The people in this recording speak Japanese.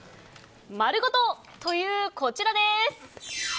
まるごと！という、こちらです！